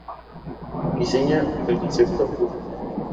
Diseña el concepto "Up!